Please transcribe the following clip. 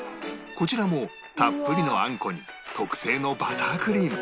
こちらもたっぷりのあんこに特製のバタークリーム